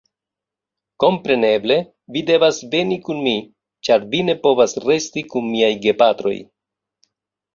Kompreneble, vi devas veni kun mi, ĉar vi ne povas resti kun miaj gepatroj.